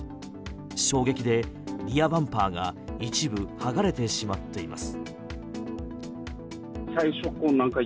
衝撃でリアバンパーが一部剥がれてしまっています。